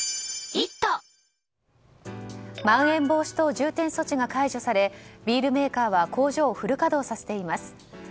まん延防止等重点措置が解除されビールメーカーは工場をフル稼働させています。